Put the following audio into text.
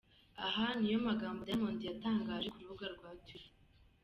Aya niyo magambo Diamond yatangaje ku rubuga rwa twitter.